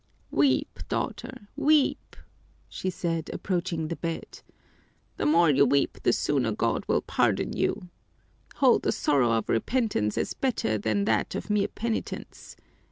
"Weep, daughter, weep!" she said, approaching the bed. "The more you weep the sooner God will pardon you. Hold the sorrow of repentance as better than that of mere penitence.